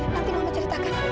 nanti mama ceritakan